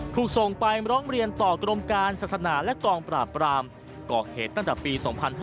ถูกส่งไปร้องเรียนต่อกรมการศาสนาและกองปราบปรามก่อเหตุตั้งแต่ปี๒๕๕๙